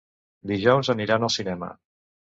Dijous aniran al cinema.